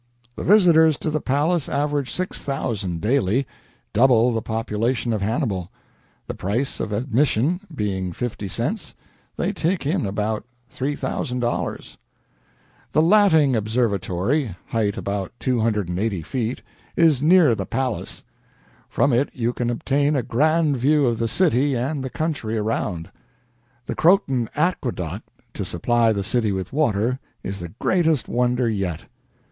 The visitors to the Palace average 6,000 daily double the population of Hannibal. The price of admission being fifty cents, they take in about $3,000. "The Latting Observatory (height about 280 feet) is near the Palace. From it you can obtain a grand view of the city and the country around. The Croton Aqueduct, to supply the city with water, is the greatest wonder yet.